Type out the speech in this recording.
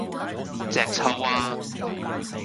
隻揪吖!